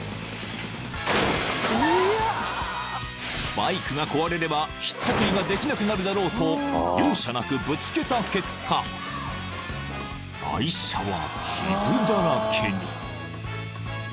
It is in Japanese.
［バイクが壊れればひったくりができなくなるだろうと容赦なくぶつけた結果愛車は傷だらけに］